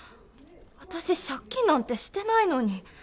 私、借金なんかしてないのに。